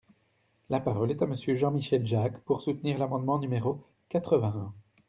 La parole est à Monsieur Jean-Michel Jacques, pour soutenir l’amendement numéro quatre-vingt-un.